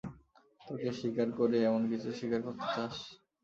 তোকে শিকার করে এমনকিছু শিকার করতে চাস?